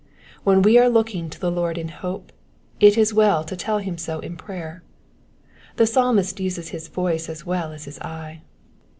When we are looking to the Lord in hope, it is well to tell him so in prayer : the Psalmist uses his voice as well as his eye.